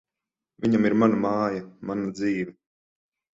Viņam ir mana māja, mana dzīve.